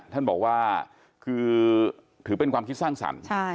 ท่านบอกว่าคือถือเป็นความคิดสร้างสรรค์